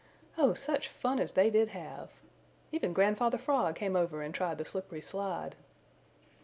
Oh such fun as they did have! Even Grandfather Frog came over and tried the slippery slide.